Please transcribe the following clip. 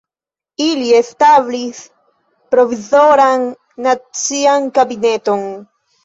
Ili establis Provizoran Nacian Kabineton.